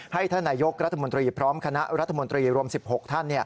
ท่านนายกรัฐมนตรีพร้อมคณะรัฐมนตรีรวม๑๖ท่าน